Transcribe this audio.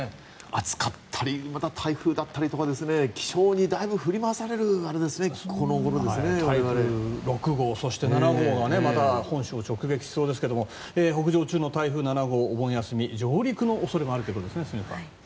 暑かったりまた台風だったりとか気象にだいぶ振り回される台風６号、そして７号がまた本州を直撃しそうですが北上中の台風７号お盆休み、上陸の恐れもあるということですね。